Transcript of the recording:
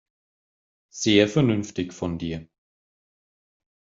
Sehr vernünftig von dir.